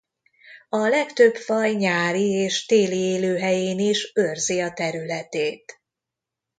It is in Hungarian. A legtöbb faj nyári és téli élőhelyén is őrzi a területét.